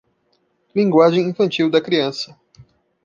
Linguagem infantil da criança